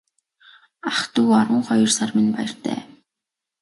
Ах дүү арван хоёр сар минь баяртай.